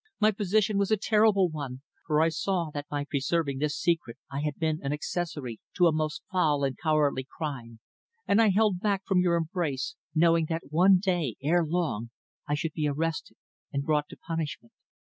My position was a terrible one, for I saw that by preserving this secret I had been an accessory to a most foul and cowardly crime, and I held back from your embrace, knowing that one day ere long I should be arrested and brought to punishment.